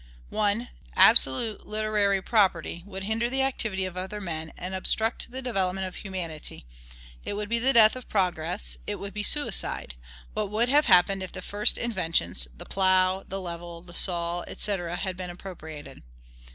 1. Absolute literary property would hinder the activity of other men, and obstruct the development of humanity. It would be the death of progress; it would be suicide. What would have happened if the first inventions, the plough, the level, the saw, &c., had been appropriated?